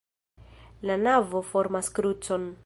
La navo formas krucon.